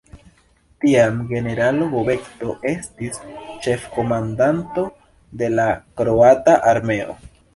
Tiam generalo Bobetko estis ĉefkomandanto de la kroata armeo.